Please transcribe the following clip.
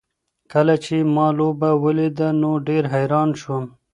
کله چې ما لوبه ولیده نو ډېر حیران شوم.